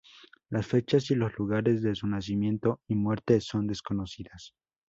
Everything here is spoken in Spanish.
Las fechas y los lugares de su nacimiento y muerte son desconocidas.